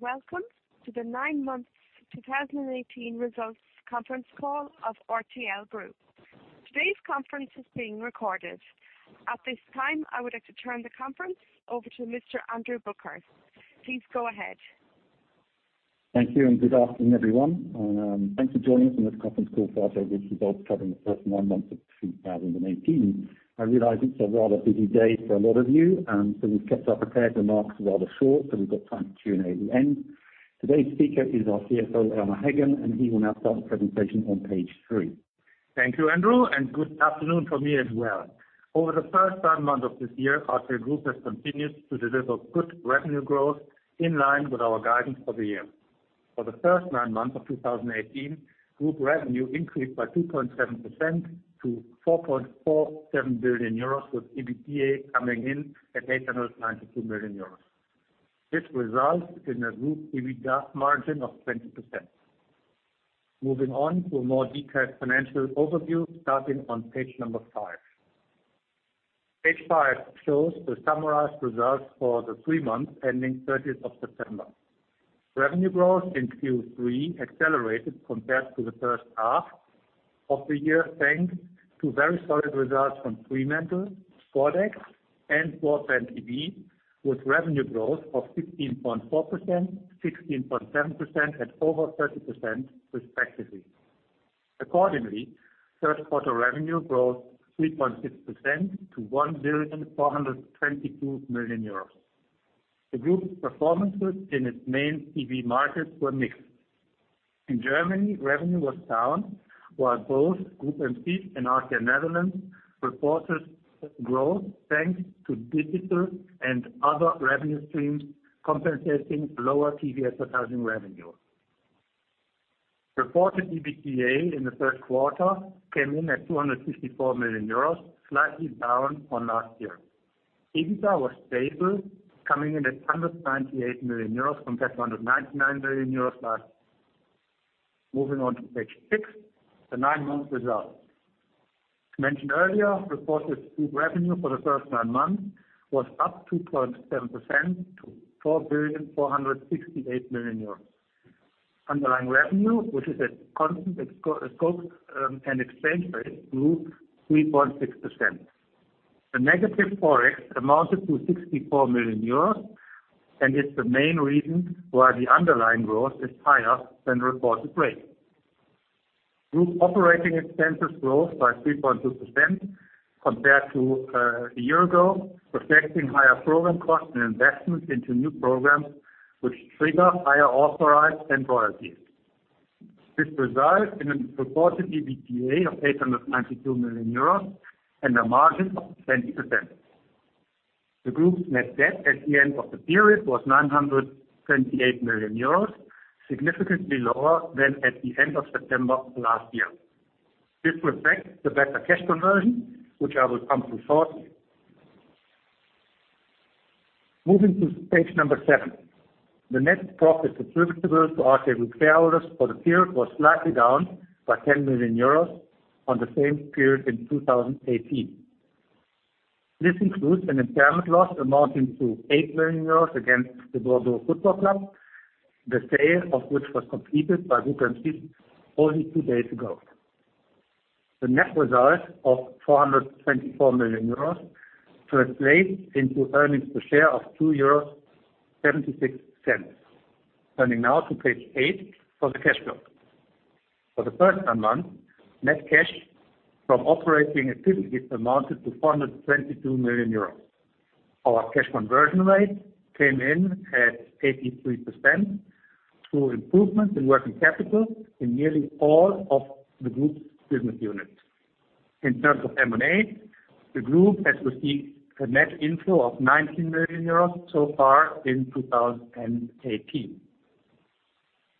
Welcome to the nine-month 2018 results conference call of RTL Group. Today's conference is being recorded. At this time, I would like to turn the conference over to Mr. Andrew Buker. Please go ahead. Thank you. Good afternoon, everyone. Thanks for joining us on this conference call for our latest results covering the first nine months of 2018. I realize it's a rather busy day for a lot of you, so we've kept our prepared remarks rather short, so we've got time for Q&A at the end. Today's speaker is our CFO, Elmar Heggen, and he will now start the presentation on page three. Thank you, Andrew. Good afternoon from me as well. Over the first nine months of this year, RTL Group has continued to deliver good revenue growth in line with our guidance for the year. For the first nine months of 2018, group revenue increased by 2.7% to 4.47 billion euros with EBITDA coming in at 892 million euros. This results in a group EBITDA margin of 20%. Moving on to a more detailed financial overview starting on page number 5. Page five shows the summarized results for the three months ending 30th of September. Revenue growth in Q3 accelerated compared to the first half of the year, thanks to very solid results from Fremantle, SpotX, and BroadbandTV, with revenue growth of 15.4%, 16.7%, and over 30%, respectively. Accordingly, third quarter revenue growth 3.6% to 1,422,000,000 euros. The group's performances in its main TV markets were mixed. In Germany, revenue was down, while both Groupe M6 and RTL Nederland reported growth thanks to digital and other revenue streams compensating lower TV advertising revenue. Reported EBITDA in the third quarter came in at 254 million euros, slightly down on last year. EBITDA was stable, coming in at 198 million euros compared to 199 million euros last. Moving on to page six, the nine-month results. As mentioned earlier, reported group revenue for the first nine months was up 2.7% to 4,468,000,000 euros. Underlying revenue, which is at constant scope and exchange rate, grew 3.6%. The negative Forex amounted to 64 million euros and is the main reason why the underlying growth is higher than reported rate. Group operating expenses growth by 3.2% compared to a year ago, reflecting higher program costs and investments into new programs which trigger higher amortization than royalties. This results in a reported EBITDA of 892 million euros and a margin of 20%. The group's net debt at the end of the period was 928 million euros, significantly lower than at the end of September last year. This reflects the better cash conversion, which I will come to shortly. Moving to page number seven. The net profit attributable to RTL Group shareholders for the period was slightly down by 10 million euros on the same period in 2018. This includes an impairment loss amounting to 8 million euros against the Bordeaux Football Club, the sale of which was completed by Groupe M6 only two days ago. The net result of 424 million euros translates into earnings per share of 2.76 euros. Turning now to page eight for the cash flow. For the first nine months, net cash from operating activities amounted to 422 million euros. Our cash conversion rate came in at 83% through improvements in working capital in nearly all of the group's business units. In terms of M&A, the Group has received a net inflow of 19 million euros so far in 2018.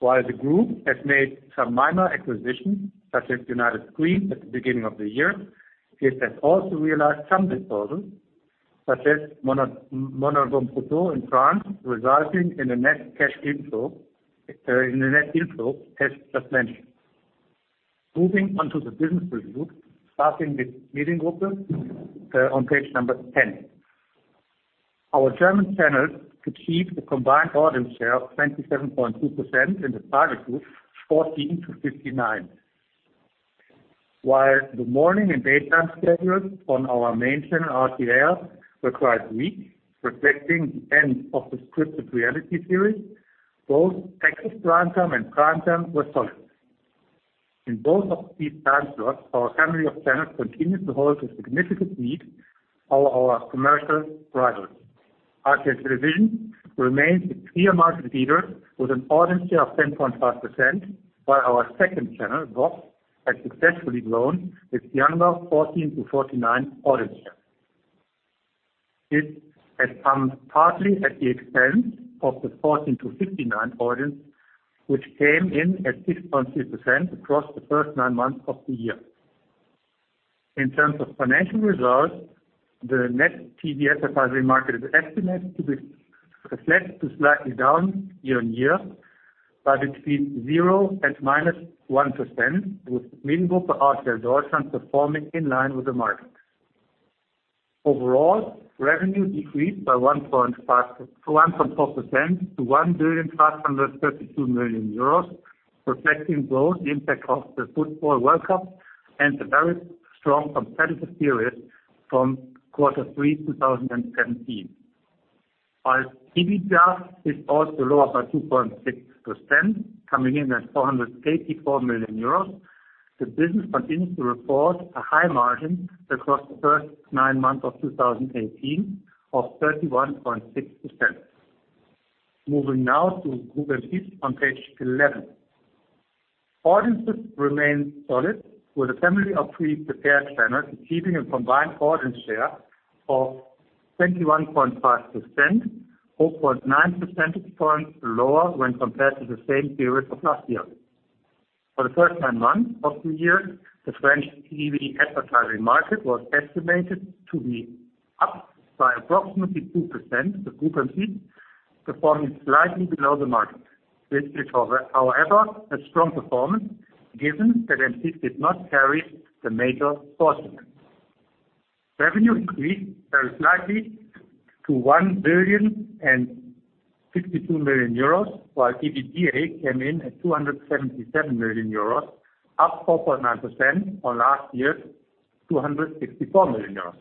While the Group has made some minor acquisitions, such as United Screens at the beginning of the year, it has also realized some disposals, such as monAlbumPhoto in France, resulting in the net cash inflow as just mentioned. Moving on to the business review, starting with Mediengruppe on page number 10. Our German channels achieved a combined audience share of 27.2% in the target group 14 to 59. While the morning and daytime schedules on our main channel, RTL, were quite weak, reflecting the end of the scripted reality series, both Access Primetime and Primetime were solid. In both of these time slots, our family of channels continues to hold a significant lead over our commercial rivals. RTL Television remains the clear market leader with an audience share of 10.5%, while our second channel, VOX, has successfully grown its younger 14 to 49 audience share. It has come partly at the expense of the 14 to 59 audience, which came in at 6.3% across the first nine months of the year. In terms of financial results, the net TV advertising market is estimated to be flat to slightly down year-on-year by between 0% and -1%, with Mediengruppe RTL Deutschland performing in line with the market. Overall, revenue decreased by 1.4% to 1,532 million euros, reflecting both the impact of the Football World Cup and the very strong competitive period from quarter three 2017. While EBITDA is also lower by 2.6%, coming in at 484 million euros, the business continues to report a high margin across the first nine months of 2018 of 31.6%. Moving now to Groupe M6 on page 11. Audiences remain solid with a family of three prepared channels, achieving a combined audience share of 21.5%, 0.9 percentage points lower when compared to the same period of last year. For the first nine months of the year, the French TV advertising market was estimated to be up by approximately 2% with Groupe M6 performing slightly below the market. This is, however, a strong performance given that M6 did not carry the major sports events. Revenue increased very slightly to 1,062 million euros, while EBITDA came in at 277 million euros, up 4.9% on last year's 264 million euros.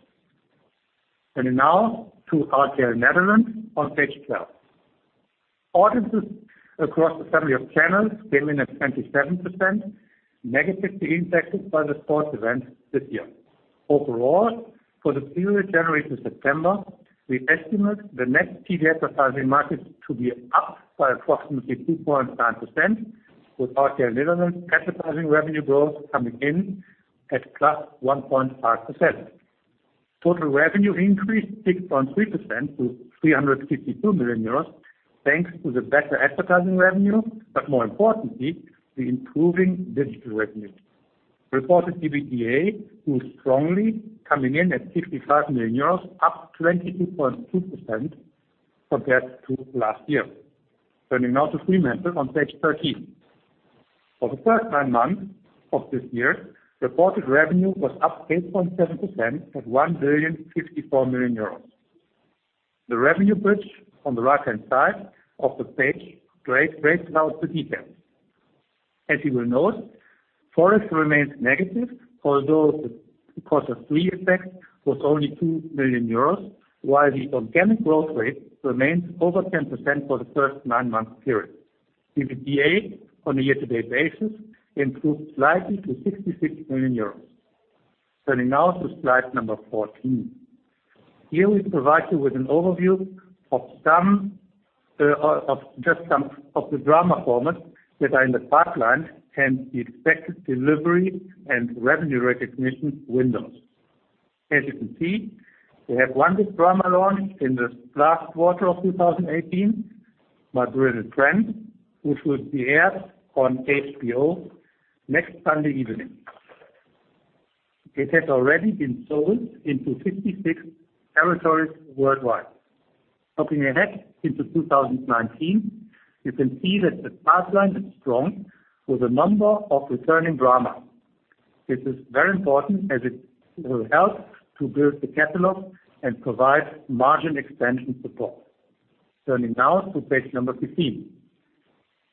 Turning now to RTL Nederland on page 12. Audiences across the family of channels came in at 27%, negatively impacted by the sports events this year. Overall, for the period January to September, we estimate the net TV advertising market to be up by approximately 2.9%, with RTL Nederland advertising revenue growth coming in at +1.5%. Total revenue increased 6.3% to 352 million euros thanks to the better advertising revenue, but more importantly, the improving digital revenue. Reported EBITDA grew strongly, coming in at 55 million euros, up 22.2% compared to last year. Turning now to Fremantle on page 13. For the first nine months of this year, reported revenue was up 8.7% at 1,054 million euros. The revenue bridge on the right-hand side of the page breaks down the details. As you will note, Forex remains negative, although the cost of free effect was only 2 million euros, while the organic growth rate remained over 10% for the first nine-month period. EBITDA on a year-to-date basis improved slightly to 66 million euros. Turning now to slide number 14. Here we provide you with an overview of just some of the drama formats that are in the pipeline and the expected delivery and revenue recognition windows. As you can see, we have one big drama launch in the last quarter of 2018, My Brilliant Friend, which will be aired on HBO next Sunday evening. It has already been sold into 56 territories worldwide. Looking ahead into 2019, you can see that the pipeline is strong with a number of returning dramas. This is very important as it will help to build the catalog and provide margin expansion support. Turning now to page number 15.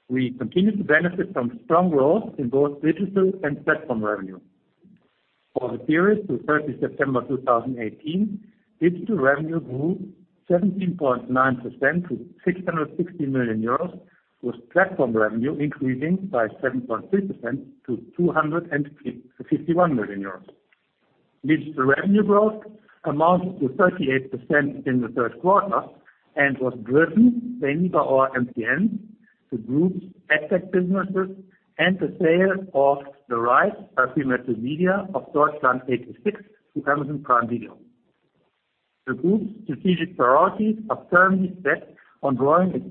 We continue to benefit from strong growth in both digital and platform revenue. For the period to 30 September 2018, digital revenue grew 17.9% to 660 million euros, with platform revenue increasing by 7.3% to 251 million euros. Digital revenue growth amounted to 38% in the third quarter and was driven mainly by our MPN, the group's asset businesses, and the sale of the rights by Fremantle of Deutschland 86 to Amazon Prime Video. The group's strategic priorities are firmly set on growing its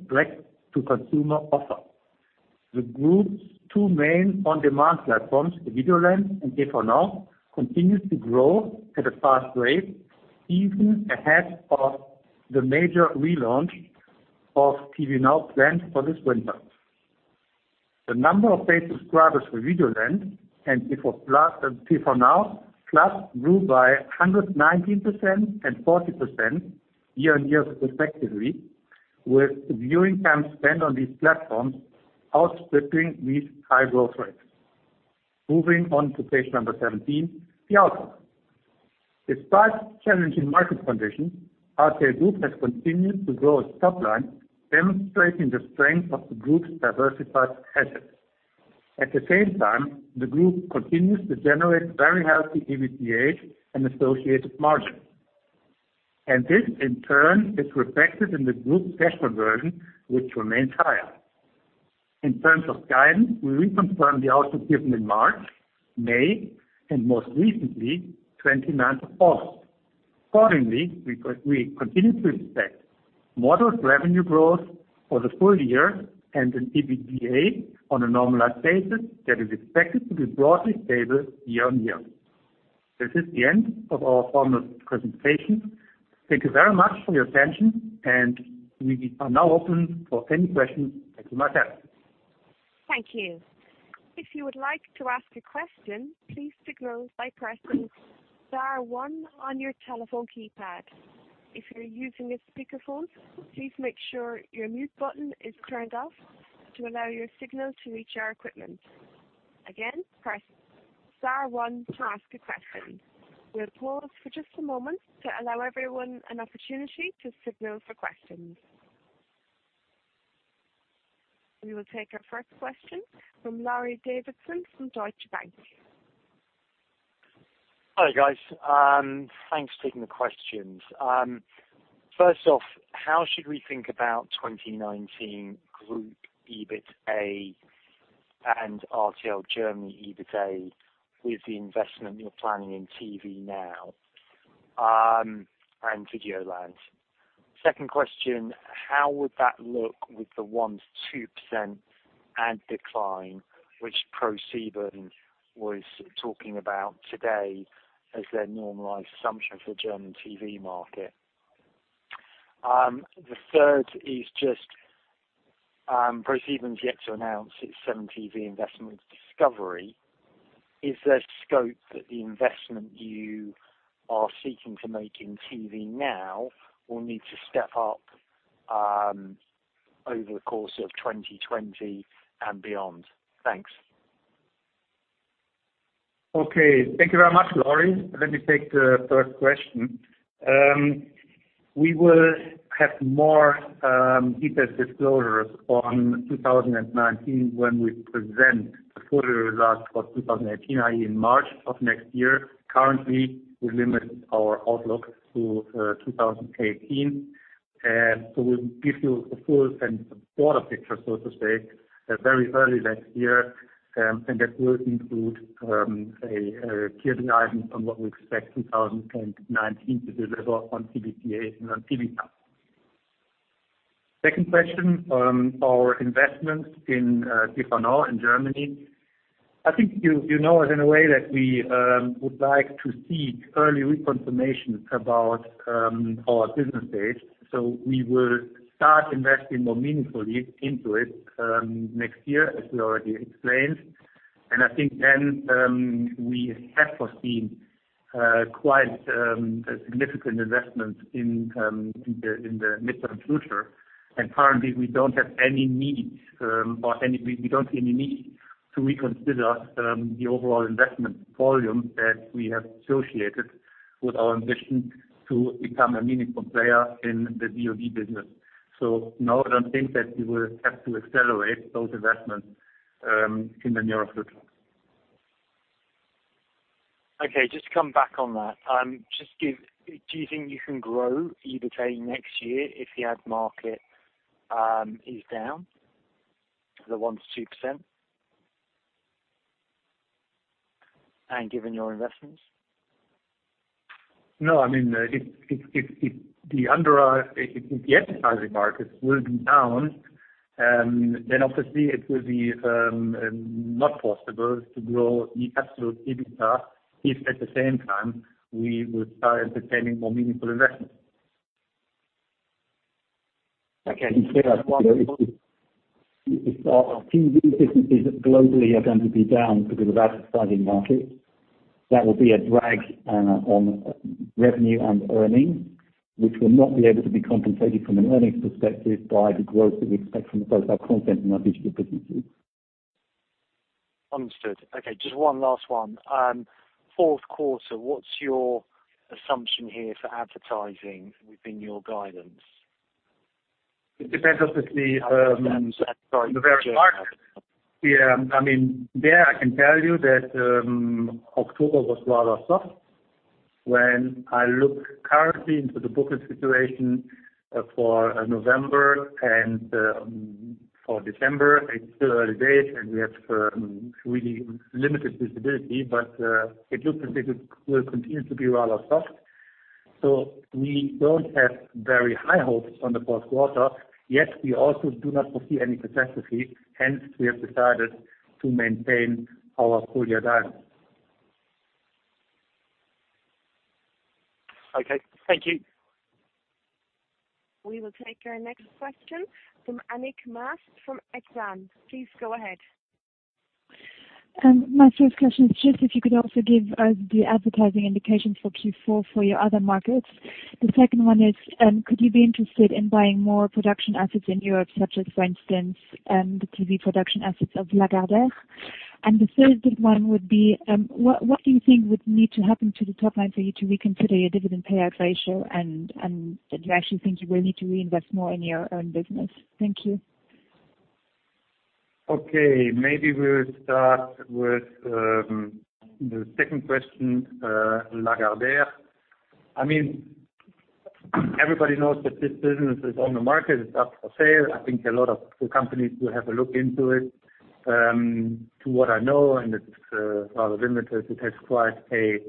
direct-to-consumer offer. The group's two main on-demand platforms, Videoland and TV Now, continue to grow at a fast rate, even ahead of the major relaunch of TV Now planned for this winter. The number of paid subscribers for Videoland and TV Now plus grew by 119% and 40% year-on-year respectively, with the viewing time spent on these platforms outstripping these high growth rates. Moving on to page number 17, the outlook. Despite challenging market conditions, RTL Group has continued to grow its top line, demonstrating the strength of the group's diversified assets. At the same time, the group continues to generate very healthy EBITDA and associated margin. This in turn is reflected in the group's cash conversion, which remains high. In terms of guidance, we reconfirm the outlook given in March, May, and most recently, 29th of August. Accordingly, we continue to expect moderate revenue growth for the full year and an EBITDA on a normalized basis that is expected to be broadly stable year-on-year. This is the end of our formal presentation. Thank you very much for your attention, and we are now open for any questions. Thank you my friends. Thank you. If you would like to ask a question, please signal by pressing star one on your telephone keypad. If you are using a speakerphone, please make sure your mute button is turned off to allow your signal to reach our equipment. Again, press star one to ask a question. We will pause for just a moment to allow everyone an opportunity to signal for questions. We will take our first question from Laurie Davison from Deutsche Bank. Hi, guys. Thanks for taking the questions. First off, how should we think about 2019 Group EBITDA and RTL Deutschland EBITDA with the investment you are planning in TV Now and Videoland? Second question, how would that look with the 1%-2% ad decline which ProSiebenSat.1 was talking about today as their normalized assumption for the German TV market? The third is just, ProSiebenSat.1 is yet to announce its 7TV investment Discovery. Is there scope that the investment you are seeking to make in TV Now will need to step up over the course of 2020 and beyond? Thanks. Okay. Thank you very much, Laurie. Let me take the first question. We will have more detailed disclosures on 2019 when we present the full year results for 2018, i.e. in March of next year. Currently, we limit our outlook to 2018. We will give you the full and broader picture, so to speak, very early next year, and that will include a clear guidance on what we expect 2019 to deliver on EBITDA and on TV Now. Second question, our investments in TV Now in Germany. I think you know it in a way that we would like to see early reconfirmation about our business base. We will start investing more meaningfully into it next year, as we already explained. I think then we have foreseen quite significant investments in the midterm future. Currently we do not see any need to reconsider the overall investment volume that we have associated with our ambition to become a meaningful player in the VOD business. No, I do not think that we will have to accelerate those investments in the near future. Okay. Just to come back on that. Do you think you can grow EBITDA next year if the ad market is down the 1%-2%? Given your investments? No, if the advertising market will be down, obviously it will be not possible to grow the absolute EBITDA if at the same time we will start entertaining more meaningful investments. Okay. If our TV businesses globally are going to be down because of advertising markets, that will be a drag on revenue and earnings, which will not be able to be compensated from an earnings perspective by the growth that we expect from both our content and our digital businesses. Understood. Okay, just one last one. Fourth quarter, what's your assumption here for advertising within your guidance? It depends, obviously. Sorry the very market. There, I can tell you that October was rather soft. When I look currently into the booking situation for November and for December, it is still early days and we have really limited visibility, it looks as if it will continue to be rather soft. We don't have very high hopes on the fourth quarter. We also do not foresee any catastrophe, hence we have decided to maintain our full year guidance. Okay. Thank you. We will take our next question from Annick Maex from Exane. Please go ahead. My first question is just if you could also give us the advertising indications for Q4 for your other markets. The second one is, could you be interested in buying more production assets in Europe, such as, for instance, the TV production assets of Lagardère? What do you think would need to happen to the top line for you to reconsider your dividend payout ratio, and do you actually think you will need to reinvest more in your own business? Thank you. Okay. Maybe we'll start with the second question, Lagardère. Everybody knows that this business is on the market. It's up for sale. I think a lot of companies will have a look into it. To what I know, and it's rather limited, it has quite a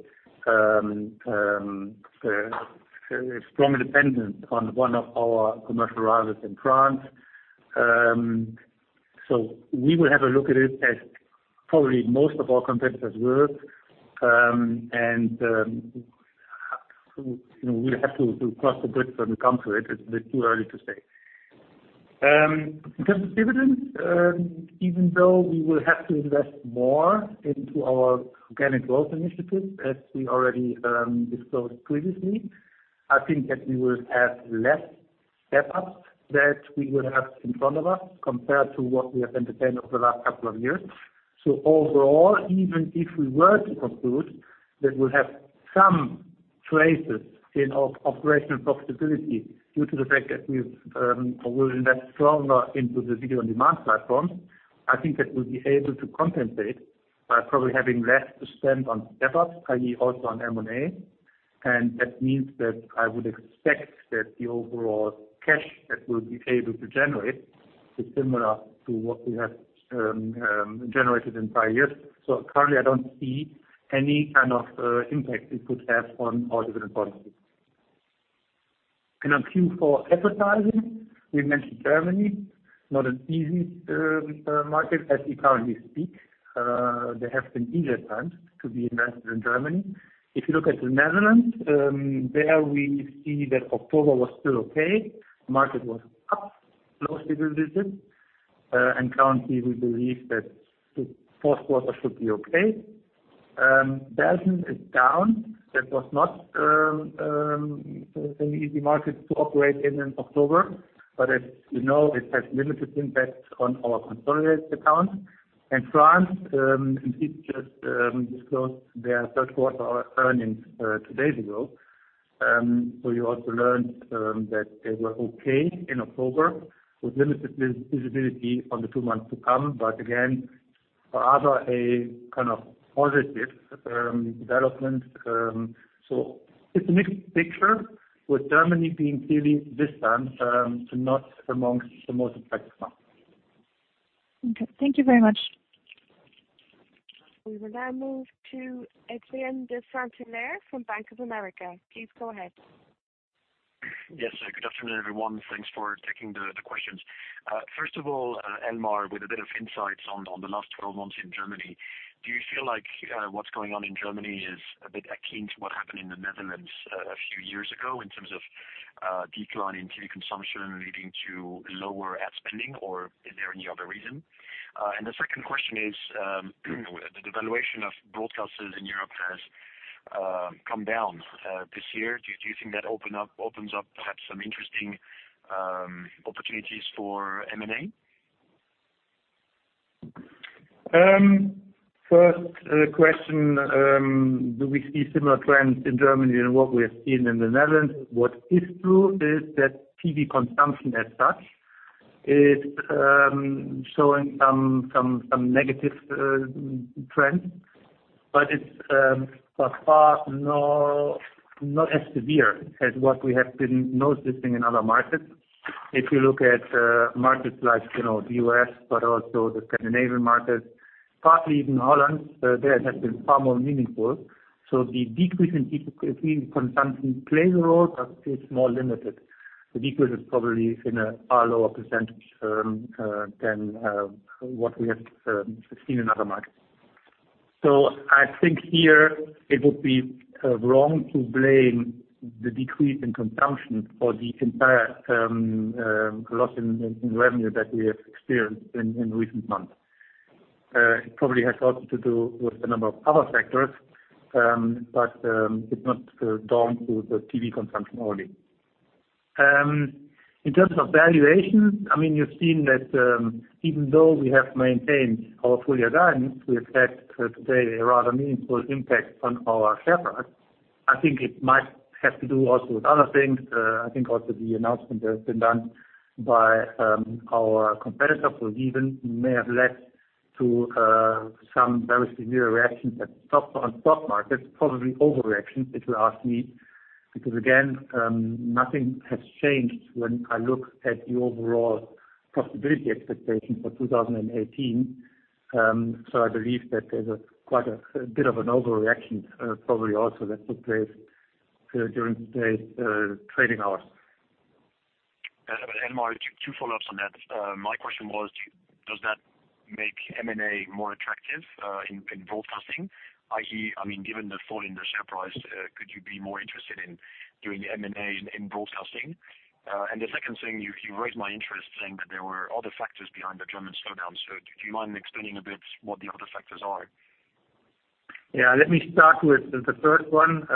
strong dependence on one of our commercial rivals in France. We will have a look at it as probably most of our competitors will. We'll have to cross the bridge when we come to it. It's a bit too early to say. In terms of dividends, even though we will have to invest more into our organic growth initiatives, as we already disclosed previously, I think that we will have less step-ups that we will have in front of us compared to what we have entertained over the last couple of years. Overall, even if we were to conclude that we'll have some traces in our operational profitability due to the fact that we will invest stronger into the video-on-demand platforms, I think that we'll be able to compensate by probably having less to spend on step-ups, i.e., also on M&A. That means that I would expect that the overall cash that we'll be able to generate is similar to what we have generated in prior years. Currently, I don't see any kind of impact it could have on our dividend policy. On Q4 advertising, we mentioned Germany, not an easy market as we currently speak. There have been easier times to be invested in Germany. If you look at the Netherlands, there we see that October was still okay. Market was up last little bit, and currently we believe that fourth quarter should be okay. Belgium is down. That was not an easy market to operate in in October, but as you know, it has limited impact on our consolidated account. France, they just disclosed their third quarter earnings two days ago. You also learned that they were okay in October with limited visibility on the two months to come, but again, rather a kind of positive development. It's a mixed picture with Germany being clearly this time not amongst the most affected markets. Okay. Thank you very much. We will now move to Adrien de Saint Hilaire from Bank of America. Please go ahead. Yes. Good afternoon, everyone. Thanks for taking the questions. First of all, Elmar, with a bit of insights on the last 12 months in Germany, do you feel like what's going on in Germany is a bit akin to what happened in the Netherlands a few years ago in terms of decline in TV consumption leading to lower ad spending, or is there any other reason? The second question is the valuation of broadcasters in Europe has come down this year. Do you think that opens up perhaps some interesting opportunities for M&A? First question, do we see similar trends in Germany and what we have seen in the Netherlands? What is true is that TV consumption as such is showing some negative trends, but it's by far not as severe as what we have been noticing in other markets. If you look at markets like the U.S., but also the Scandinavian markets, partly even Holland, there it has been far more meaningful. The decrease in TV consumption plays a role, but it's more limited. The decrease is probably in a far lower percentage than what we have seen in other markets. I think here it would be wrong to blame the decrease in consumption for the entire loss in revenue that we have experienced in recent months. It probably has also to do with a number of other factors, but it's not down to the TV consumption only. In terms of valuation, you've seen that even though we have maintained our full-year guidance, we have had today a rather meaningful impact on our share price. I think it might have to do also with other things. I think also the announcement that has been done by our competitor, ProSiebenSat.1, may have led to some very severe reactions on stock markets, probably overreaction, if you ask me, because again, nothing has changed when I look at the overall profitability expectations for 2018. I believe that there's quite a bit of an overreaction probably also that took place during today's trading hours. Elmar, two follow-ups on that. My question was, does that make M&A more attractive in broadcasting, i.e., given the fall in the share price, could you be more interested in doing M&A in broadcasting? The second thing, you raised my interest saying that there were other factors behind the German slowdown. Do you mind explaining a bit what the other factors are? Yeah. Let me start with the first one.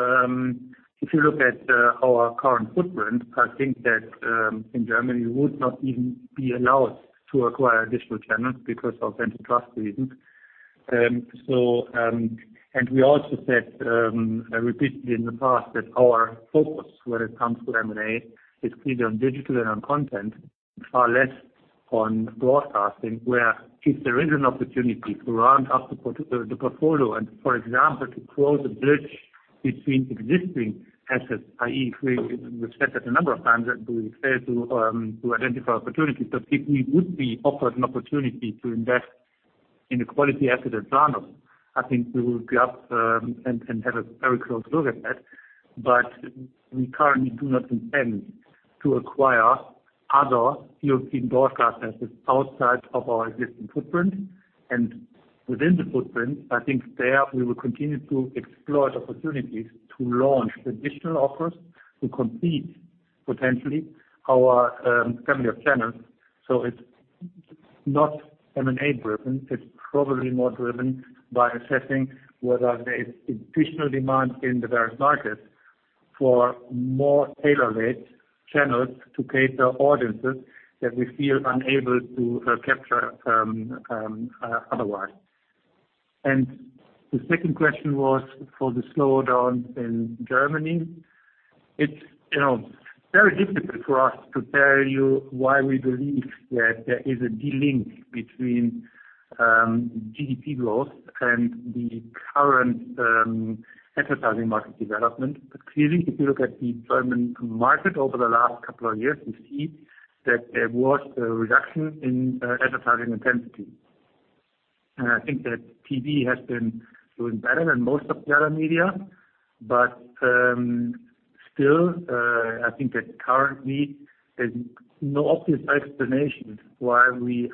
If you look at our current footprint, I think that in Germany, we would not even be allowed to acquire digital channels because of antitrust reasons. We also said repeatedly in the past that our focus when it comes to M&A is clearly on digital and on content, and far less on broadcasting, where if there is an opportunity to round up the portfolio and, for example, to close a bridge between existing assets, i.e., we've said that a number of times that we failed to identify opportunities, if we would be offered an opportunity to invest in a quality asset at I think we will be up and have a very close look at that. We currently do not intend To acquire other European broadcast assets outside of our existing footprint. Within the footprint, I think there we will continue to explore the opportunities to launch additional offers to compete, potentially, our family of channels. It's not M&A driven. It's probably more driven by assessing whether there is additional demand in the various markets for more tailored channels to cater audiences that we feel unable to capture otherwise. The second question was for the slowdown in Germany. It's very difficult for us to tell you why we believe that there is a delink between GDP growth and the current advertising market development. Clearly, if you look at the German market over the last couple of years, you see that there was a reduction in advertising intensity. I think that TV has been doing better than most of the other media. Still, I think that currently there's no obvious explanation why we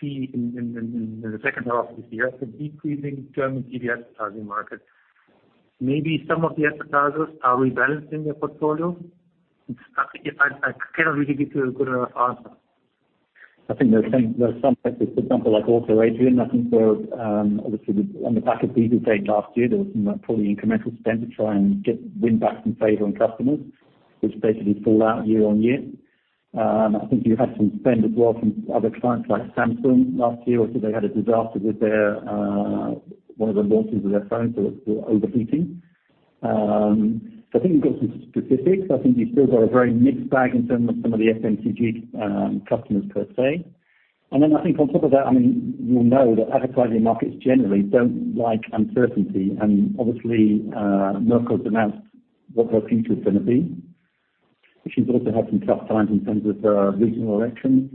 see in the second half of this year, the decreasing German TV advertising market. Maybe some of the advertisers are rebalancing their portfolio. I cannot really give you a good answer. I think there are some sectors, for example, like Auto, Adrien, I think they're obviously on the back of Dieselgate last year, there was some probably incremental spend to try and win back some favor on customers, which basically fell out year-on-year. I think you had some spend as well from other clients like Samsung last year. Obviously, they had a disaster with one of the launches of their phones, it was overheating. I think you've got some specifics. I think you've still got a very mixed bag in terms of some of the FMCG customers per se. Then I think on top of that, you know that advertising markets generally don't like uncertainty, and obviously, Merkel's announced what her future is going to be. She's also had some tough times in terms of regional elections.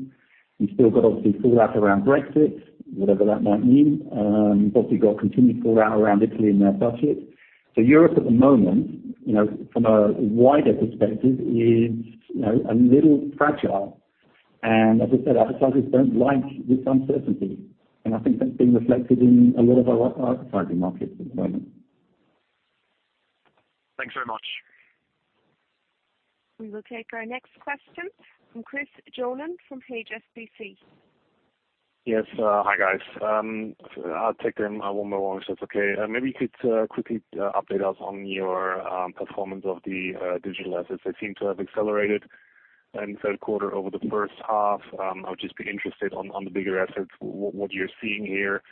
You still got, obviously, fallout around Brexit, whatever that might mean. You've obviously got continued fallout around Italy and their budget. Europe at the moment, from a wider perspective, is a little fragile. As I said, advertisers don't like this uncertainty, and I think that's being reflected in a lot of our advertising markets at the moment. Thanks very much. We will take our next question from Christopher Johnen from HSBC. Yes. Hi, guys. I'll take them one by one, if that's okay. Maybe you could quickly update us on your performance of the digital assets. They seem to have accelerated in the third quarter over the first half. I would just be interested on the bigger assets, what you're seeing here,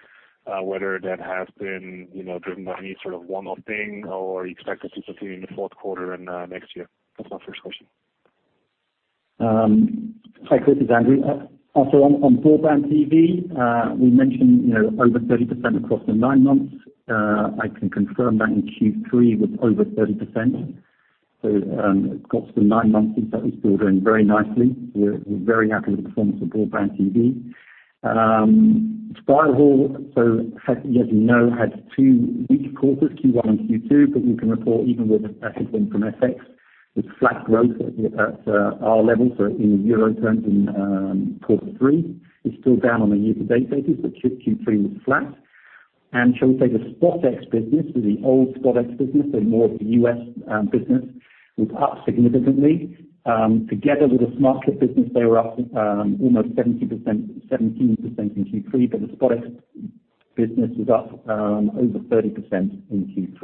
whether that has been driven by any sort of one-off thing, or you expect to see something in the fourth quarter and next year? That's my first question. Hi, Chris, it's Andrew. On BroadbandTV, we mentioned over 30% across the nine months. I can confirm that in Q3 was over 30%. It got to the nine months, in fact, it's still doing very nicely. We're very happy with the performance of BroadbandTV. StyleHaul, as you know, had two weak quarters, Q1 and Q2, but we can report even with the pacing from FX, it's flat growth at our level. In EUR terms in quarter three, it's still down on the year-to-date basis, but Q3 was flat. Shall we say the SpotX business or the old SpotX business, so more of the U.S. business, was up significantly. Together with the Smartclip business, they were up almost 17% in Q3, but the SpotX business was up over 30% in Q3,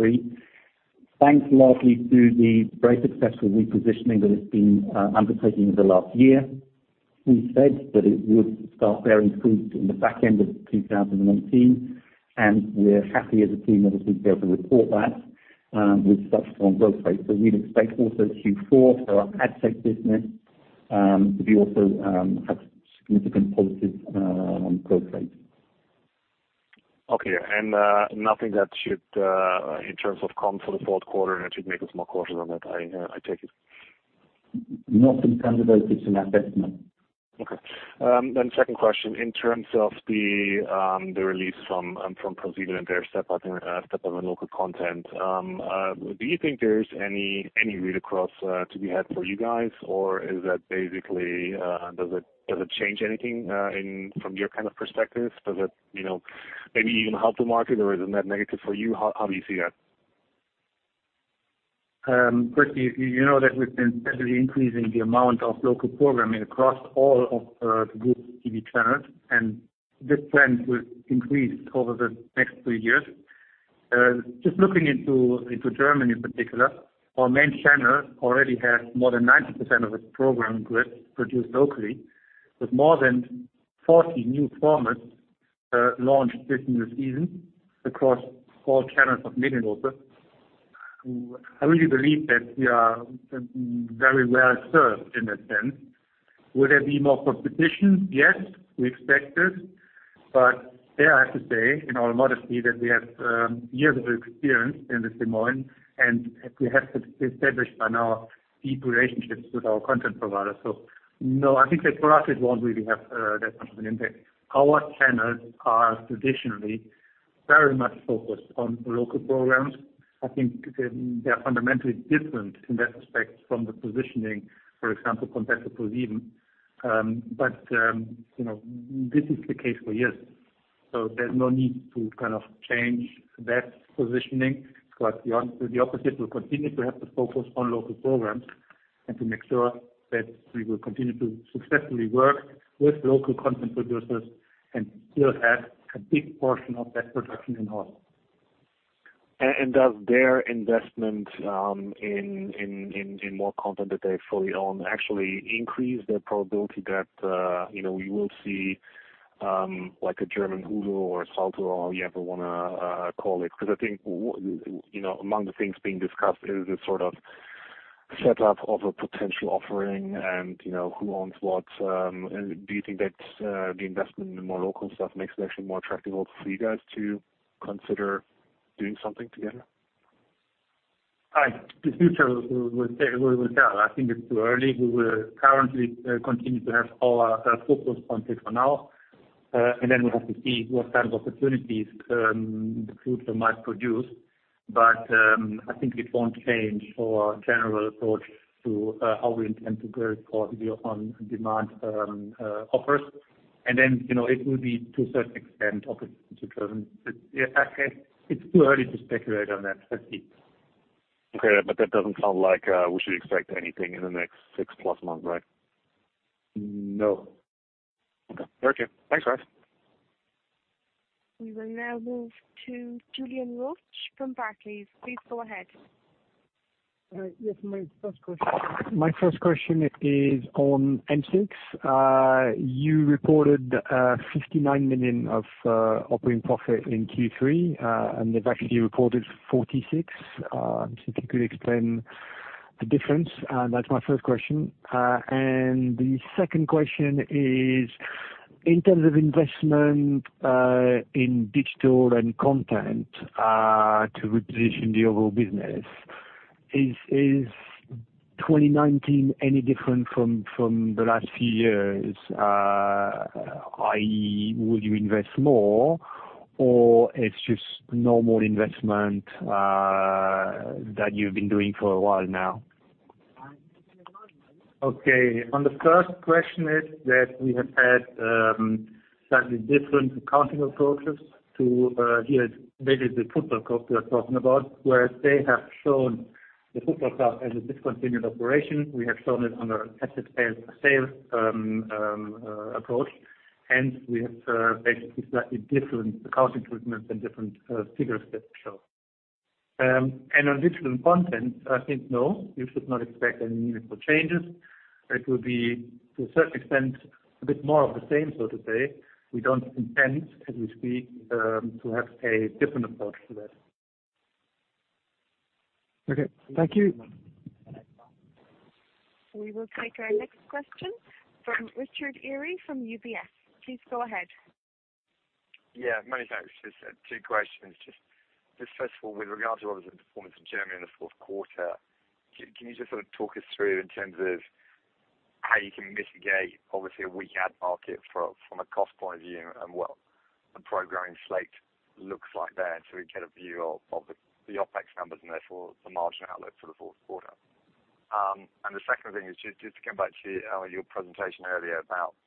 thanks largely to the very successful repositioning that has been undertaking over the last year. We said that it would start bearing fruit in the back end of 2019, and we're happy as a team that we've been able to report that with such strong growth rates. We'd expect also Q4 for our ad tech business to be also have significant positive growth rates. Okay. Nothing that should, in terms of comm for the fourth quarter, that should make us more cautious on that, I take it? Not that I'm aware, based on our assessment. Okay. Second question, in terms of the release from ProSiebenSat.1 and their step up in local content, do you think there's any read across to be had for you guys? Is that basically, does it change anything from your kind of perspective? Does it maybe even help the market, or isn't that negative for you? How do you see that? Chris, you know that we've been steadily increasing the amount of local programming across all of the group's TV channels, and this trend will increase over the next three years. Looking into Germany in particular, our main channel already has more than 90% of its program grid produced locally, with more than 40 new formats launched this new season across all channels of Mediengruppe. I really believe that we are very well served in that sense. Will there be more competition? Yes, we expect it, but there I have to say, in all modesty, that we have years of experience in this domain, and we have established by now deep relationships with our content providers. No, I think that for us, it won't really have that much of an impact. Our channels are traditionally very much focused on local programs. I think they are fundamentally different in that respect from the positioning, for example, competitive even. This is the case for years, so there's no need to change that positioning. Quite the opposite, we continue to have the focus on local programs and to make sure that we will continue to successfully work with local content producers and still have a big portion of that production in-house. Does their investment in more content that they fully own actually increase their probability that we will see a German Hulu or Salto or however you want to call it? Because I think, among the things being discussed is the sort of set up of a potential offering and who owns what. Do you think that the investment in the more local stuff makes it actually more attractive also for you guys to consider doing something together? The future will tell. I think it's too early. We will currently continue to have all our focus on TV Now, then we have to see what kind of opportunities the future might produce. I think it won't change our general approach to how we intend to go for video on-demand offers. Then it will be to a certain extent, opportunity driven. It's too early to speculate on that. Let's see. Okay. That doesn't sound like we should expect anything in the next six-plus months, right? No. Okay. Very okay. Thanks, guys. We will now move to Julien Roch from Barclays. Please go ahead. Yes. My first question is on M6. You reported 59 million of operating profit in Q3. They've actually reported 46. If you could explain the difference, that's my first question. The second question is, in terms of investment in digital and content, to reposition the overall business, is 2019 any different from the last few years? i.e., would you invest more or it's just normal investment that you've been doing for a while now? Okay. On the first question is that we have had slightly different accounting approaches. Here, it is basically the football club we are talking about, where they have shown the football club as a discontinued operation. We have shown it under asset sale approach, hence we have basically slightly different accounting treatments and different figures that show. On digital content, I think no, you should not expect any meaningful changes. It will be to a certain extent, a bit more of the same, so to say. We do not intend, as we speak, to have a different approach to that. Okay. Thank you. We will take our next question from Richard Eary from UBS. Please go ahead. Yeah. Many thanks. Just two questions. Just first of all, with regard to obviously the performance in Germany in the fourth quarter, can you just sort of talk us through in terms of how you can mitigate obviously a weak ad market from a cost point of view and what the programming slate looks like there to get a view of the OpEx numbers and therefore the margin outlook for the fourth quarter? The second thing is just to come back to your presentation earlier about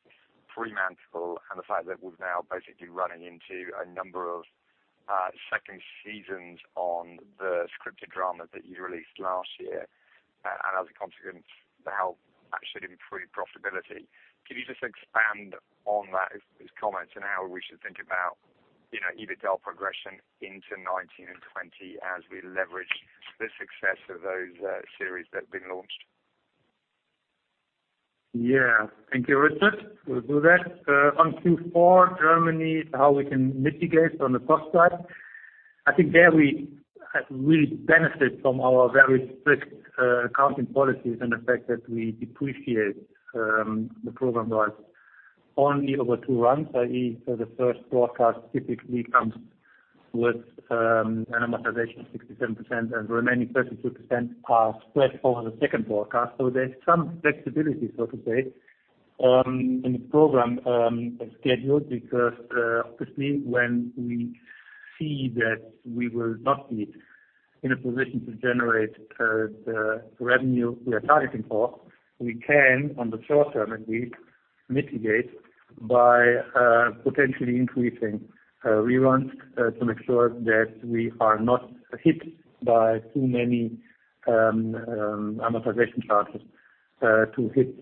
Fremantle and the fact that we are now basically running into a number of second seasons on the scripted drama that you released last year, and as a consequence, how that should improve profitability. Can you just expand on that, those comments and how we should think about EBITDA progression into 2019 and 2020 as we leverage the success of those series that have been launched? Thank you, Richard. Will do that. On Q4 Germany, how we can mitigate on the cost side. I think there we benefit from our very strict accounting policies and the fact that we depreciate the program rights only over two runs, i.e., the first broadcast typically comes with an amortization of 67% and the remaining 32% are spread over the second broadcast. There's some flexibility, so to say, in the program schedule, because obviously when we see that we will not be in a position to generate the revenue we are targeting for, we can, on the short term at least, mitigate by potentially increasing reruns to make sure that we are not hit by too many amortization charges to hit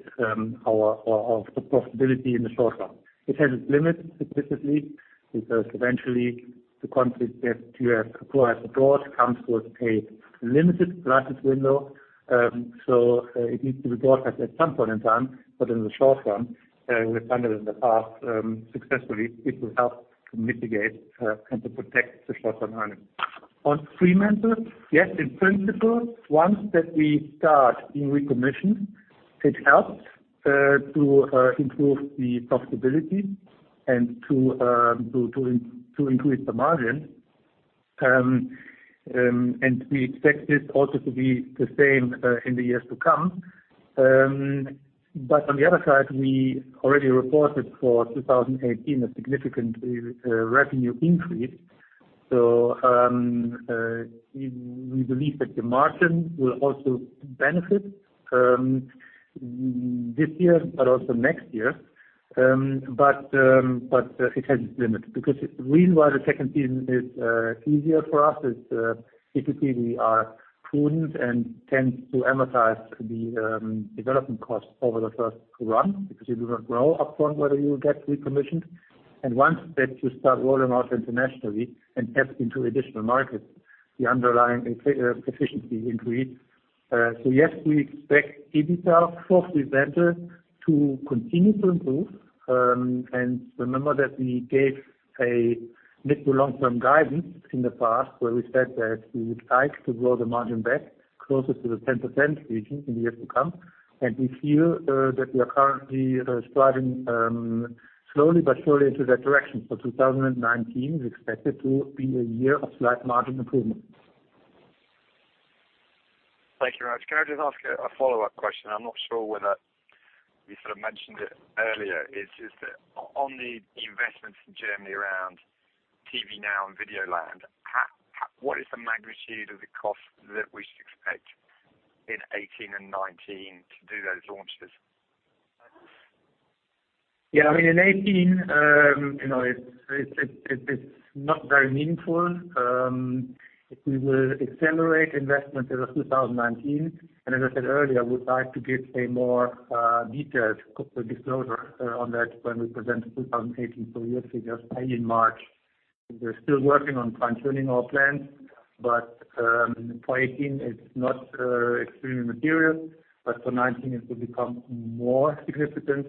our profitability in the short run. It has its limits, specifically, because eventually the content that you have acquired abroad comes with a limited broadcast window, so it needs to be broadcast at some point in time, but in the short run, we have done it in the past successfully. It will help to mitigate and to protect the short-term earnings. On Fremantle, yes, in principle, once that we start in recommission, it helps to improve the profitability and to increase the margin. We expect this also to be the same in the years to come. On the other side, we already reported for 2018 a significant revenue increase. We believe that the margin will also benefit this year but also next year. It has its limits. The reason why the second season is easier for us is, typically we are prudent and tend to amortize the development cost over the first run, because you do not know upfront whether you will get recommissioned. Once that you start rolling out internationally and tap into additional markets, the underlying efficiency increase. Yes, we expect EBITDA for the venture to continue to improve. Remember that we gave a mid to long-term guidance in the past, where we said that we would like to grow the margin back closer to the 10% region in years to come. We feel that we are currently striving slowly but surely into that direction. 2019 is expected to be a year of slight margin improvement. Thank you very much. Can I just ask a follow-up question? I am not sure whether you sort of mentioned it earlier, is just that on the investments in Germany around TV Now and Videoland, what is the magnitude of the cost that we should expect in 2018 and 2019 to do those launches? Yeah, in 2018, it is not very meaningful. We will accelerate investment into 2019. As I said earlier, we would like to give a more detailed disclosure on that when we present 2018 full year figures in March. We are still working on fine-tuning our plans, but for 2018 it is not extremely material, but for 2019 it will become more significant.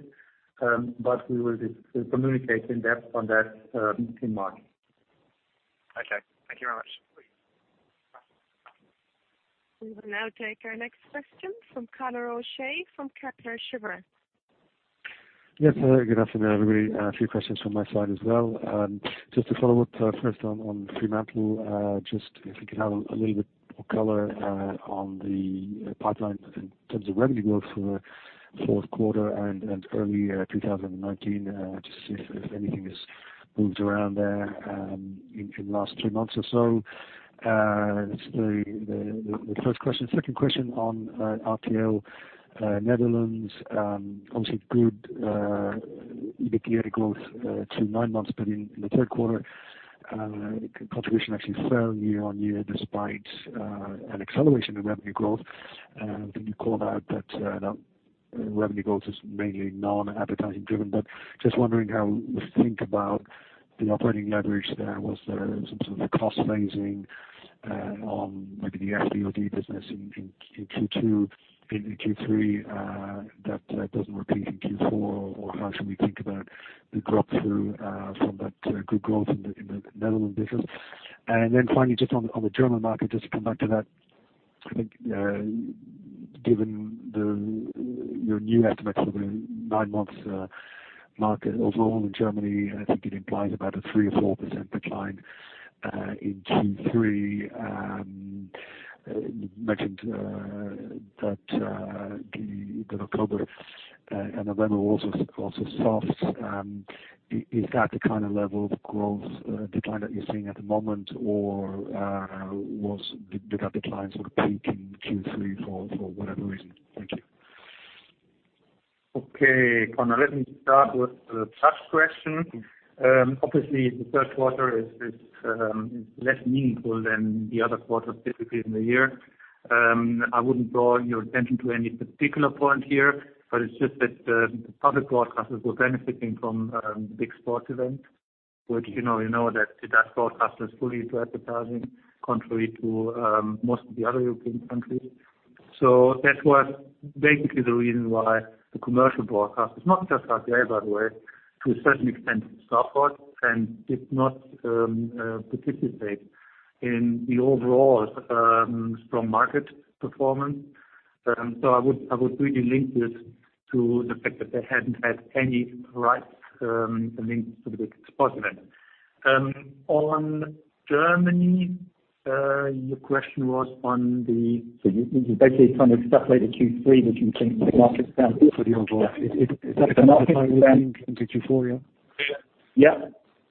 We will communicate in depth on that in March. Okay, thank you very much. We will now take our next question from Conor O'Shea from Kepler Cheuvreux. Yes, hello. Good afternoon, everybody. A few questions from my side as well. Just to follow up first on Fremantle, just if you could have a little bit more color on the pipeline in terms of revenue growth for fourth quarter and early 2019, just to see if anything has moved around there in the last three months or so. That's the first question. Second question on RTL Nederland. Obviously good EBITDA growth to nine months, but in the third quarter, contribution actually fell year-on-year despite an acceleration in revenue growth. I think you called out that revenue growth is mainly non-advertising driven, just wondering how you think about the operating leverage there. Was there some sort of a cost phasing on maybe the SVOD business in Q2, in Q3, that doesn't repeat in Q4? How should we think about the drop through from that good growth in the Netherlands business? Finally, just on the German market, just to come back to that, I think given your new estimates for the nine months market overall in Germany, I think it implies about a 3% or 4% decline in Q3. You mentioned that October and November were also soft. Is that the kind of level of growth decline that you're seeing at the moment, or did that decline sort of peak in Q3 for whatever reason? Thank you. Okay, Conor, let me start with the first question. Obviously, the third quarter is less meaningful than the other quarters typically in the year. I wouldn't draw your attention to any particular point here, but it's just that the public broadcasters were benefiting from big sports events, which you know that broadcast is fully into advertising, contrary to most of the other European countries. That was basically the reason why the commercial broadcasters, not just RTL, by the way, to a certain extent Starfor, did not participate in the overall strong market performance. I would really link this to the fact that they hadn't had any rights, I mean, to the big sports event. On Germany, your question was on the- You're basically trying to extrapolate the Q3, which includes the market's down for the overall. Is that the market down into Q4, yeah?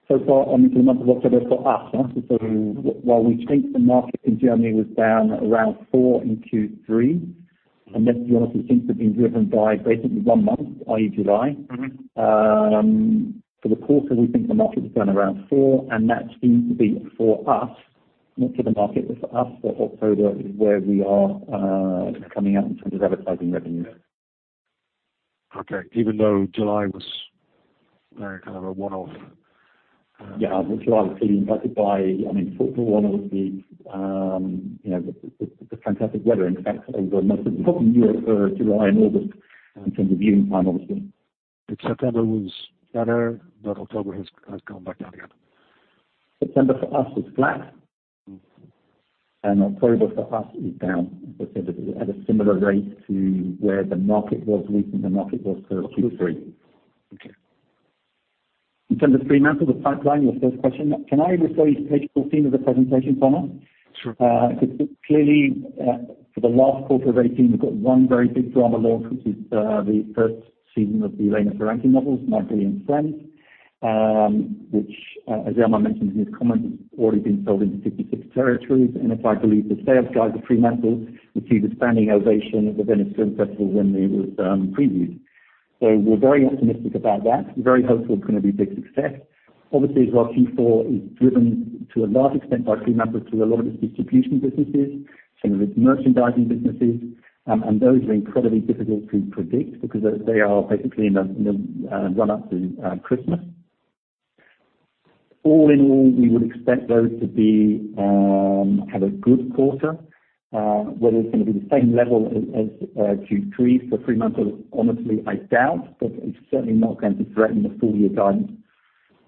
So far, only for the month of October for us. While we think the market in Germany was down around 4% in Q3, that we honestly think has been driven by basically one month, i.e., July. For the quarter, we think the market was down around 4%, that seems to be for us, not for the market, but for us, that October is where we are coming out in terms of advertising revenue. Okay. Even though July was very kind of a one-off. Yeah. July was clearly impacted by, for one, obviously the fantastic weather. In fact, it was the most important year for July and August in terms of viewing time, obviously. September was better, October has gone back down again. September for us was flat. October for us is down at a similar rate to where the market was weak, the market was for Q3. Okay. In terms of Fremantle, the pipeline, your first question, can I refer you to page 14 of the presentation, Conor? Sure. Clearly, for the last quarter of 2018, we've got one very big drama launch, which is the first season of Elena Ferrante novels, "My Brilliant Friend," which, as Elmar mentioned in his comments, has already been sold into 56 territories. If I believe the sales guys at Fremantle, it received a standing ovation at the Venice Film Festival when it was previewed. We're very optimistic about that, very hopeful it's going to be a big success. Obviously, as well, Q4 is driven to a large extent by Fremantle through a lot of its distribution businesses, some of its merchandising businesses. Those are incredibly difficult to predict because they are basically in the run-up to Christmas. All in all, we would expect those to have a good quarter. Whether it's going to be the same level as Q3 for Fremantle, honestly, I doubt. It's certainly not going to threaten the full-year guidance,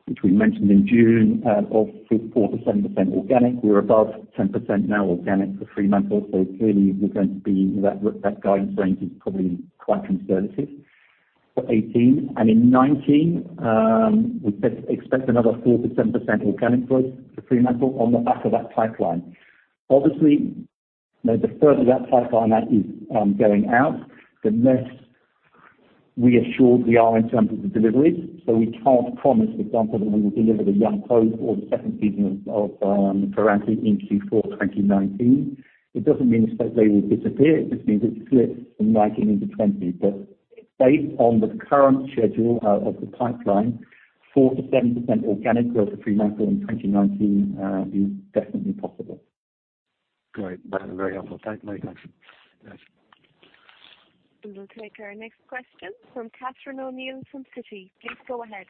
which we mentioned in June, of 4%-7% organic. We're above 10% now organic for Fremantle. Clearly, that guidance range is probably quite conservative for 2018. In 2019, we expect another 4%-7% organic growth for Fremantle on the back of that pipeline. Obviously, the further that pipeline is going out, the less reassured we are in terms of the delivery. We can't promise, for example, that we will deliver "The Young Pope" or the second season of Ferrante in Q4 2019. It doesn't mean to say they will disappear. It just means it slips from 2019 into 2020. Based on the current schedule of the pipeline, 4%-7% organic growth for Fremantle in 2019 is definitely possible. Great. That's very helpful. Thank you very much. We will take our next question from Kathryn O'Neill from Citi. Please go ahead.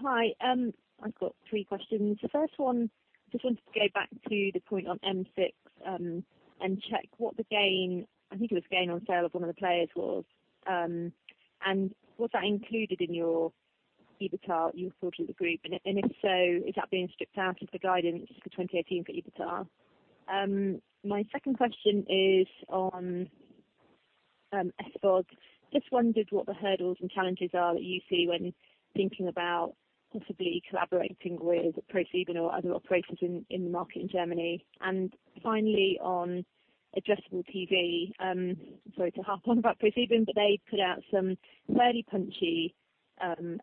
Hi. I've got three questions. The first one, just wanted to go back to the point on M6, and check what the gain, I think it was gain on sale of one of the players was. Was that included in your EBITDA you thought of the group? If so, is that being stripped out of the guidance for 2018 for EBITDA? My second question is on SVOD. Just wondered what the hurdles and challenges are that you see when thinking about possibly collaborating with ProSiebenSat.1 or other operators in the market in Germany. Finally, on addressable TV, sorry to harp on about ProSiebenSat.1, but they put out some fairly punchy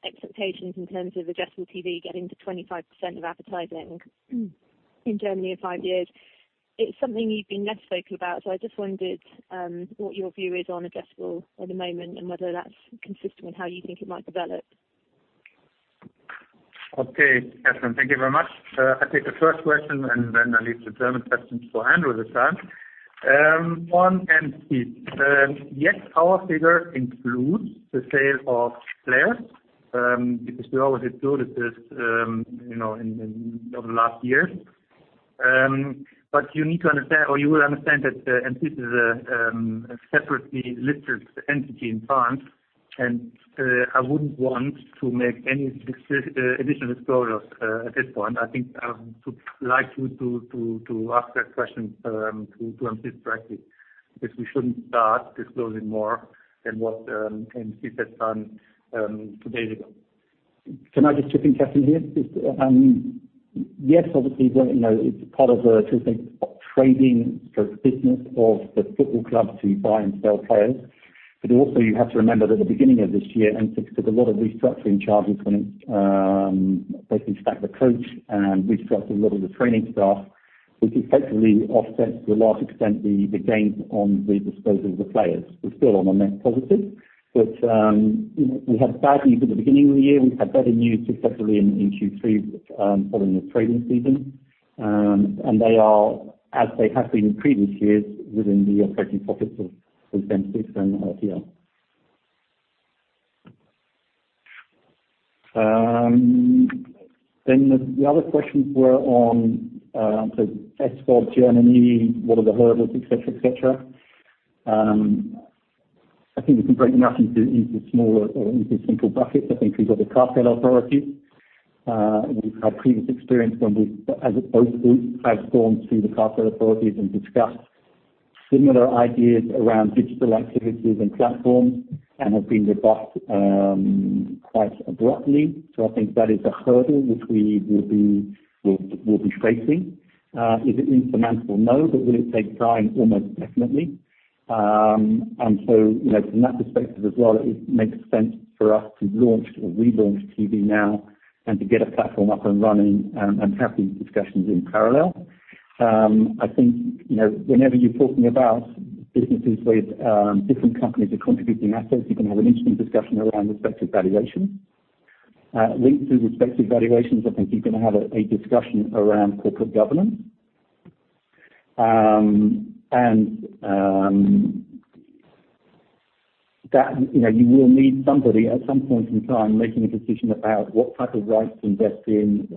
expectations in terms of addressable TV getting to 25% of advertising in Germany in five years. It's something you've been less vocal about. I just wondered what your view is on addressable at the moment and whether that's consistent with how you think it might develop. Okay. Kathryn, thank you very much. I'll take the first question, I leave the German questions for Andrew this time. On M6, yes, our figure includes the sale of players, because we always do this over the last years. You will understand that M6 is a separately listed entity in France, I wouldn't want to make any additional disclosures at this point. I think I would like you to ask that question to M6 directly, because we shouldn't start disclosing more than what M6 has done two days ago. Can I just chip in, Kathryn, here? Yes, obviously, it's part of the trading sort of business of the football club to buy and sell players. Also, you have to remember that at the beginning of this year, M6 took a lot of restructuring charges when it basically sacked the coach and restructured a lot of the training staff, which effectively offsets to a large extent the gains on the disposal of the players. We're still on the net positive, we had bad news at the beginning of the year. We've had better news successfully in Q3 following the trading season. They are, as they have been in previous years, within the operating profits of M6 and RTL. The other questions were on SVOD Germany, what are the hurdles, et cetera. I think we can break them up into smaller or into simple buckets. I think we've got the cartel authority. We've had previous experience when we as group platforms through the cartel authorities and discussed similar ideas around digital activities and platforms and have been rebuffed quite abruptly. I think that is a hurdle which we will be facing. Is it insurmountable? No. Will it take time? Almost definitely. From that perspective as well, it makes sense for us to launch or relaunch TVNOW and to get a platform up and running and have these discussions in parallel. I think whenever you're talking about businesses with different companies are contributing assets, you're going to have an interesting discussion around respective valuations. Linked to respective valuations, I think you're going to have a discussion around corporate governance. You will need somebody at some point in time making a decision about what type of rights to invest in,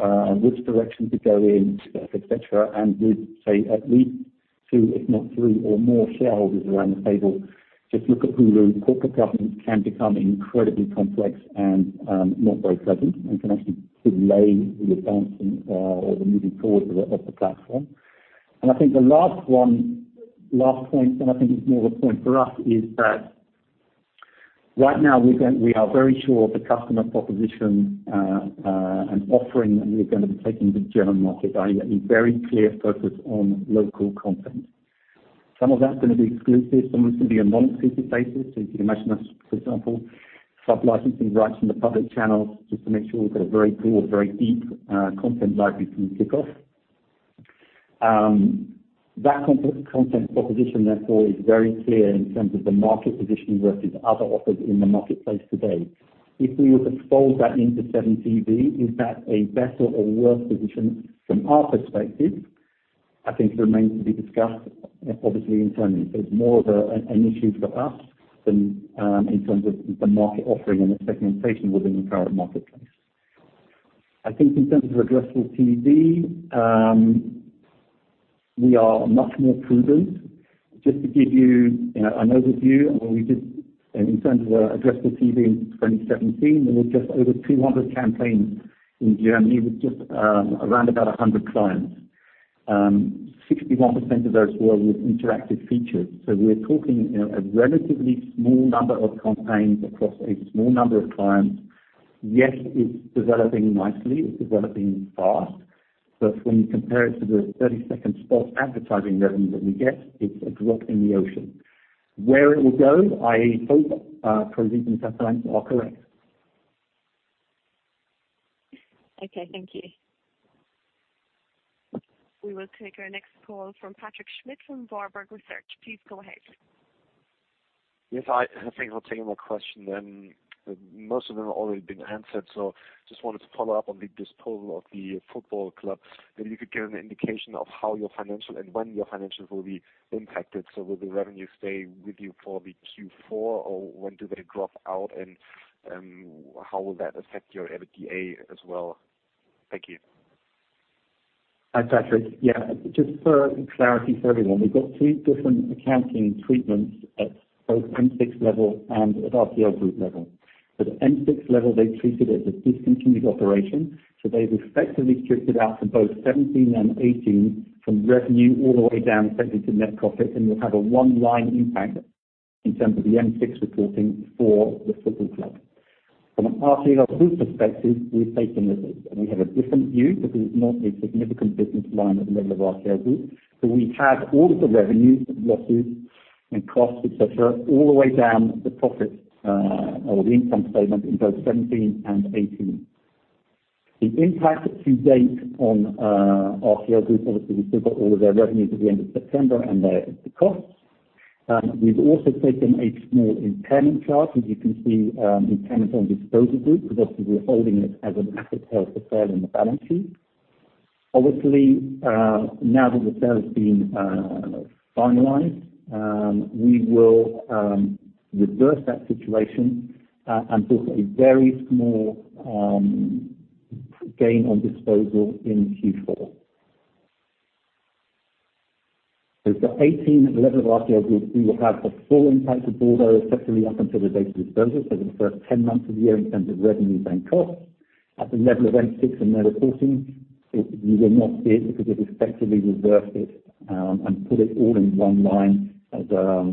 which direction to go in, et cetera, would say at least two, if not three or more shareholders around the table. Just look at Hulu. Corporate governance can become incredibly complex and not very pleasant and can actually delay the advancing or the moving forward of the platform. I think the last point, and I think it's more a point for us, is that right now we are very sure of the customer proposition and offering that we're going to be taking to the German market, i.e., a very clear focus on local content. Some of that's going to be exclusive, some of it's going to be on a non-exclusive basis. You can imagine us, for example, sub-licensing rights from the public channels just to make sure we've got a very broad, very deep content library from the kick-off. That content proposition, therefore, is very clear in terms of the market positioning versus other offers in the marketplace today. If we were to fold that into 7TV, is that a better or worse position from our perspective? I think it remains to be discussed, obviously internally. It's more of an issue for us in terms of the market offering and the segmentation within the current marketplace. I think in terms of addressable TV, we are much more prudent. Just to give you an overview, in terms of addressable TV in 2017, there were just over 200 campaigns in Germany with just around about 100 clients. 61% of those were with interactive features. We're talking a relatively small number of campaigns across a small number of clients. Yes, it's developing nicely. It's developing fast. When you compare it to the 30-second spot advertising revenue that we get, it's a drop in the ocean. Where it will go, I hope ProSiebenSat.1 are correct. Okay, thank you. We will take our next call from Patrick Schmitz from Warburg Research. Please go ahead. Yes, I think I'll take more questions. Most of them have already been answered, so just wanted to follow up on the disposal of the football club. Maybe you could give an indication of how your financials and when your financials will be impacted. Will the revenue stay with you for the Q4, or when do they drop out, and how will that affect your EBITDA as well? Thank you. Hi, Patrick. Just for clarity for everyone, we've got three different accounting treatments at both M6 level and at RTL Group level. At M6 level, they treat it as a discontinued operation. They've effectively stripped it out from both 2017 and 2018 from revenue all the way down effectively to net profit, and we'll have a one-line impact in terms of the M6 reporting for the football club. From an RTL Group perspective, we've taken the hit, and we have a different view because it's not a significant business line at the level of RTL Group. We had all of the revenues, losses, and costs, et cetera, all the way down the profit or the income statement in both 2017 and 2018. The impact to date on RTL Group, obviously, we've still got all of their revenues at the end of September and the costs. We've also taken a small impairment charge, as you can see, impairment on disposal group, because obviously we're holding it as an asset held for sale in the balance sheet. Obviously, now that the sale has been finalized, we will reverse that situation and book a very small gain on disposal in Q4. For 2018, at the level of RTL Group, we will have the full impact of Bordeaux effectively up until the date of disposal. The first 10 months of the year in terms of revenues and costs. At the level of M6 and their reporting, you will not see it because we've effectively reversed it and put it all in one line as a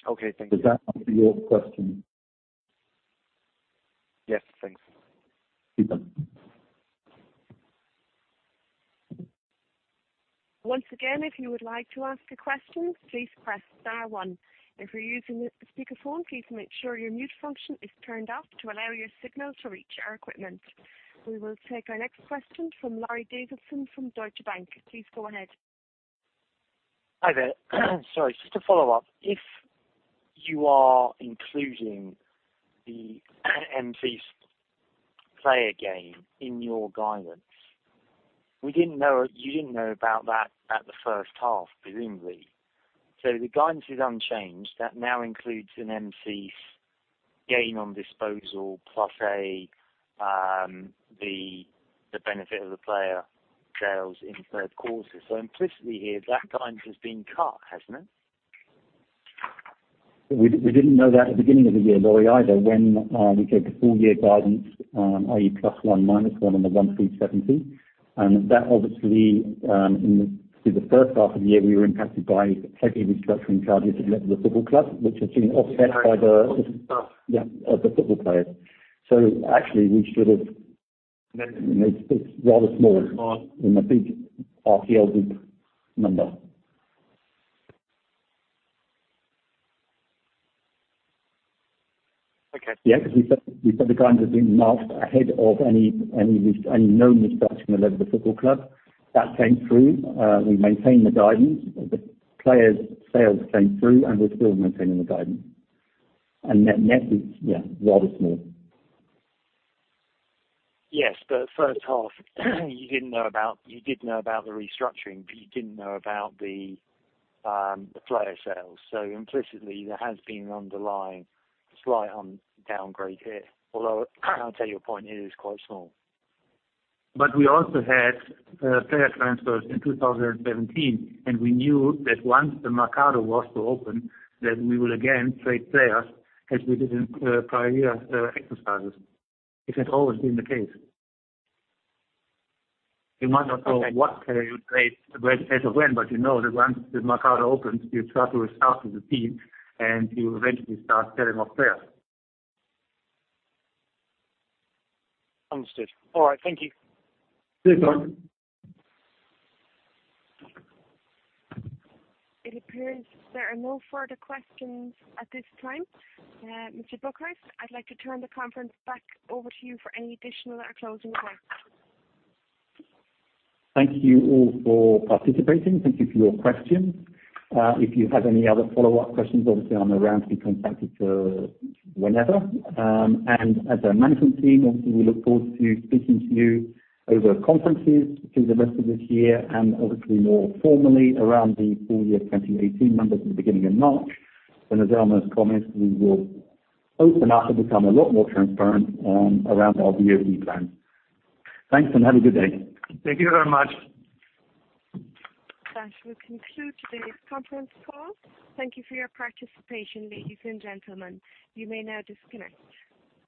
discontinued operation. Okay, thank you. Does that answer your question? Yes, thanks. Super. Once again, if you would like to ask a question, please press star one. If you're using a speakerphone, please make sure your mute function is turned off to allow your signal to reach our equipment. We will take our next question from Laurie Davison from Deutsche Bank. Please go ahead. Hi there. Sorry, just to follow up, if you are including the M6 player gain in your guidance, you didn't know about that at the first half, presumably. The guidance is unchanged. That now includes an M6 gain on disposal plus the benefit of the player sales in third quarter. Implicitly here, that guidance has been cut, hasn't it? We didn't know that at the beginning of the year, Laurie, either, when we gave the full-year guidance, i.e., plus one, minus one on the 1,370. That obviously, through the first half of the year, we were impacted by heavy restructuring charges at the level of the football club, which has been offset by of the football players. Actually, we should have It's rather small in the big RTL Group number. Okay. We set the guidance being marked ahead of any known restructuring at the level of the football club. That came through. We maintained the guidance. The players sales came through, we're still maintaining the guidance. Net, yeah, rather small. First half, you did know about the restructuring, but you didn't know about the player sales. Implicitly, there has been an underlying slight downgrade here. Although, I take your point, it is quite small. We also had player transfers in 2017, and we knew that once the mercado was to open, that we will again trade players as we did in prior year exercises. It has always been the case. You might not know what player you trade as of when, but you know that once the mercado opens, you try to restart with the team, and you eventually start selling off players. Understood. All right. Thank you. Please go on. It appears there are no further questions at this time. Mr. Buker, I'd like to turn the conference back over to you for any additional or closing remarks. Thank you all for participating. Thank you for your questions. If you have any other follow-up questions, obviously I'm around to be contacted whenever. As a management team, obviously, we look forward to speaking to you over conferences through the rest of this year and obviously more formally around the full year 2018 numbers at the beginning of March. As Elmar has promised, we will open up and become a lot more transparent around our VOD plan. Thanks, and have a good day. Thank you very much. That will conclude today's conference call. Thank you for your participation, ladies and gentlemen. You may now disconnect.